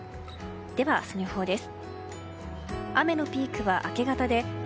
では明日の予報です。